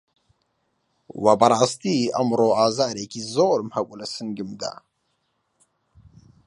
وە بەڕاستی ئەمڕۆ ئازارێکی زۆرم هەبوو لە سنگمدا